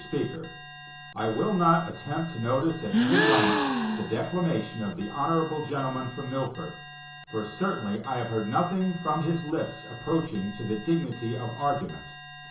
SPEAKER: I will not attempt to notice at any length the declamation of the honorable gentleman from Milford, for certainly I have heard nothing from his lips approaching to the dignity of argument.